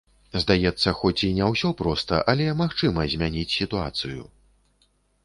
Здаецца, хоць і не ўсе проста, але магчыма змяніць сітуацыю.